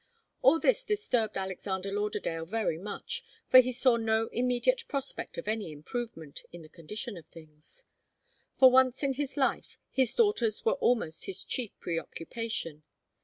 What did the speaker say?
All this disturbed Alexander Lauderdale very much, for he saw no immediate prospect of any improvement in the condition of things. For once in his life his daughters were almost his chief preoccupation.